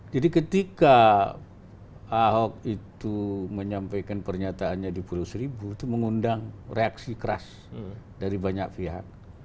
jadi ketika ahok itu menyampaikan pernyataannya di purwosribu itu mengundang reaksi keras dari banyak pihak